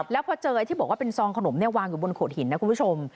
แล้วพอเจอไอ้ที่บอกว่าเป็นซองขนมวางอยู่บนโขดหินนะคุณผู้ชม